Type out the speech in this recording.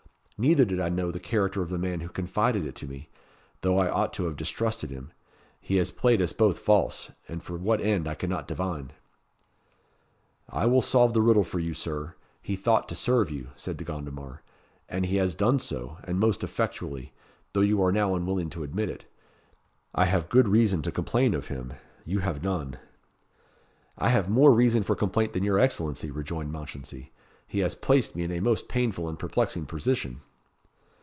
Neither did I know the character of the man who confided it to me; though I ought to have distrusted him. He has played us both false, and for what end I cannot divine." "I will solve the riddle for you, Sir: he thought to serve you," said De Gondomar; "and he has done so, and most effectually, though you are now unwilling to admit it. I have good reason to complain of him you have none." "I have more reason for complaint than your Excellency," rejoined Mounchensey. "He has placed me in a most painful and perplexing position."